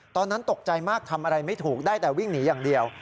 ตอนนั้นตกใจมากทำอะไรไม่ถูกได้แต่วิ่งหนีอย่างเดียว